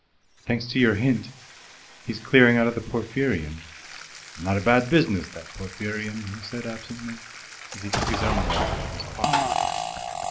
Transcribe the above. "Thanks to your hint, he's clearing out of the Porphyrion." "Not a bad business that Porphyrion," he said absently, as he took his own letter out of his pocket.